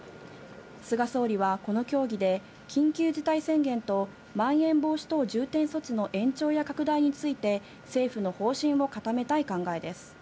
菅総理はこの協議で、緊急事態宣言とまん延防止等重点措置の延長や拡大について、政府の方針を固めたい考えです。